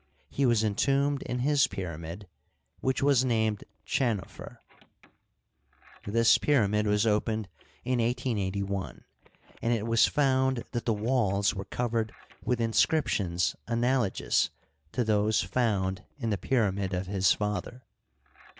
He was entombed in his pyramid, which was named Chdnofer. This pyramid was opened in 1881, and it was found that the walls were covered with inscriptions analogous to those found in the pyramid of his father.